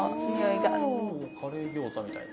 カレー餃子みたいな。